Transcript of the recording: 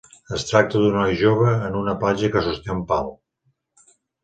Es tracta d'un noi jove en una platja que sosté un pal.